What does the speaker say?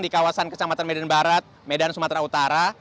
di kawasan kecamatan medan barat medan sumatera utara